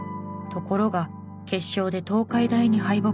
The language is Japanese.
ところが決勝で東海大に敗北。